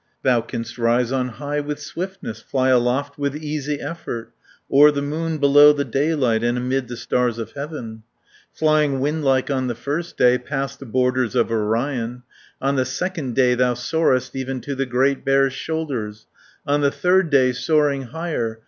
"Thou canst rise on high with swiftness, Fly aloft with easy effort, O'er the moon, below the daylight And amid the stars of heaven. Flying windlike on the first day Past the borders of Orion, On the second day thou soarest Even to the Great Bear's shoulders, 500 On the third day soaring higher.